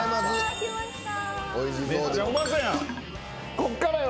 こっからよ。